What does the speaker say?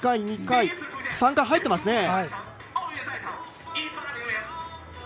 ３回入っています。